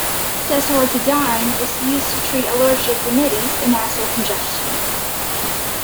Desloratadine is used to treat allergic rhinitis and nasal congestion.